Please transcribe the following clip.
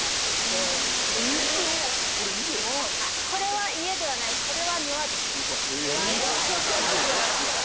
これは家ではないです